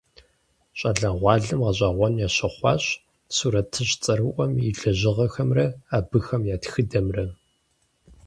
Щӏалэгъуалэм гъэщӀэгъуэн ящыхъуащ сурэтыщӀ цӀэрыӀуэм и лэжьыгъэхэмрэ абыхэм я тхыдэмрэ.